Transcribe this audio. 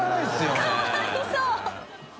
辻）かわいそう